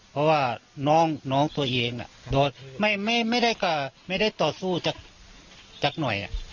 เพราะว่าน้องตัวเองไม่ได้ต่อสู้จากหน่อย